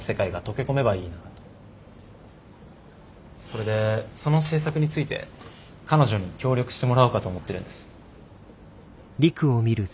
それでその制作について彼女に協力してもらおうかと思ってるんです。